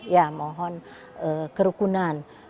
ya mohon kerukunan